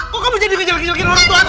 kok kamu jadi ngejelek jelekin orang tua aku